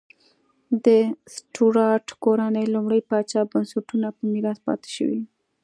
د سټورات کورنۍ لومړي پاچا بنسټونه په میراث پاتې شوې.